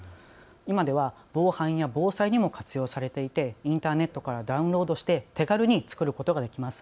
今では防犯や防災にも活用されていてインターネットからダウンロードして手軽に作ることができます。